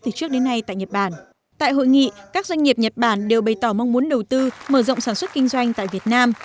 tại hội nghị các doanh nghiệp nhật bản đều bày tỏ mong muốn đầu tư mở rộng sản xuất kinh doanh tại việt nam